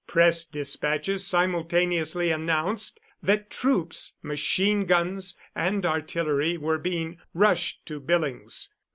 Press dispatches simultaneously announced that troops, machine guns and artillery were being rushed to Billings.